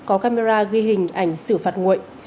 có camera ghi hình ảnh xử phạt nguội